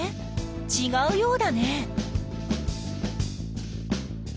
ちがうようだね。